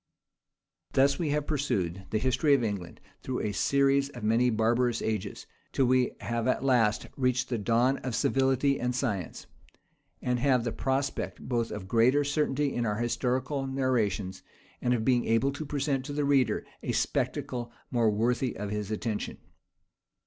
Thus have we pursued the history of England through a series of many barbarous ages, till we have at last reached the dawn of civility and science, and have the prospect, both of greater certainty in our historical narrations, and of being able to present to the reader a spectacle more worthy of his attention.